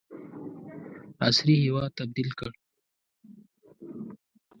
عصري هیواد تبدیل کړ.